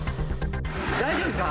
大丈夫ですか？